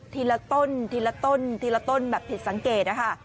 ละต้นทีละต้นทีละต้นแบบผิดสังเกตนะคะ